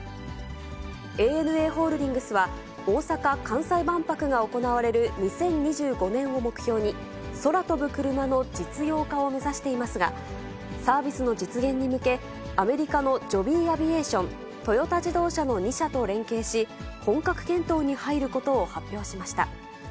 ＡＮＡホールディングスは、大阪・関西万博が行われる２０２５年を目標に、空飛ぶクルマの実用化を目指していますが、サービスの実現に向け、アメリカのジョビー・アビエーション、トヨタ自動車の２社と連携し、本格検討に入ることを発表しました。